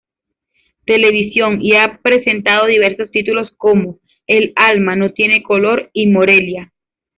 Televisión, y ha presentado diversos títulos como: El alma no tiene color y Morelia.